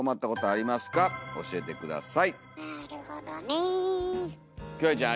なるほどね。